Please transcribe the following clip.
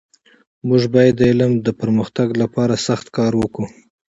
موږ باید د علم د پرمختګ لپاره سخته کار وکړو.